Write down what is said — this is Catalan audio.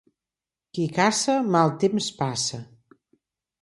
Qui caça mal temps passa.